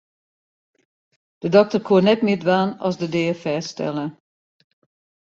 De dokter koe net mear dwaan as de dea fêststelle.